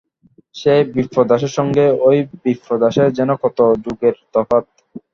সেই বিপ্রদাসের সঙ্গে এই বিপ্রদাসের যেন কত যুগের তফাত!